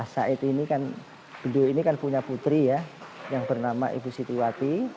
saed ini kan punya putri ya yang bernama ibu sitiwati